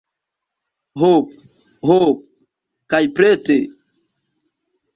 Hop, hop kaj prete!